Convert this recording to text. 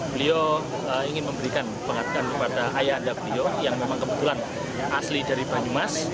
beliau ingin memberikan pengakuan kepada ayah anda beliau yang memang kebetulan asli dari banyumas